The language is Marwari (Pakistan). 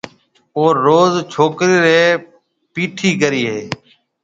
او روز ڇوڪرِي رَي پيِٺي ڪرَي ھيََََ